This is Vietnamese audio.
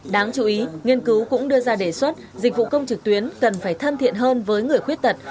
đáng chú ý nghiên cứu cũng đưa ra đề xuất dịch vụ công trực tuyến cần phải thân thiện hơn với người khuyết tật